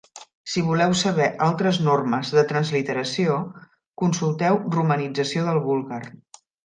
Si voleu saber altres normes de transliteració, consulteu Romanització del búlgar.